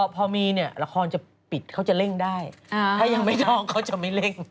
พอมีเนี่ยละครจะปิดเขาจะเร่งได้ถ้ายังไม่นอกเขาจะไม่เร่ง